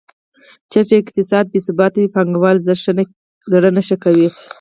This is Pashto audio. چېرته چې اقتصادي بې ثباتي وي پانګوال زړه نه ښه کوي.